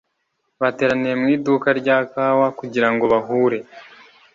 Bateraniye mu iduka rya kawa kugira ngo bahure.